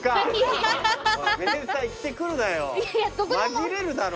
紛れるだろ。